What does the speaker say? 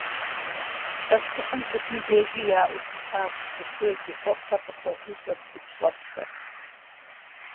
Пащтыхьхэм сытым дежи яӀэу щытащ зыхуей-зыхуэфӀхэр къахуэзыщӀэ блыгущӀэтхэр.